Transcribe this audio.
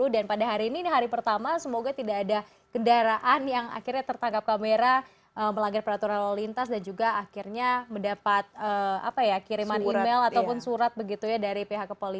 dan pada hari ini hari pertama semoga tidak ada kendaraan yang akhirnya tertangkap kamera melanggar peraturan lelintas dan juga akhirnya mendapat kiriman email ataupun surat dari pihak